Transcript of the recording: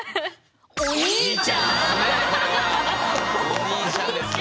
お兄ちゃんですね。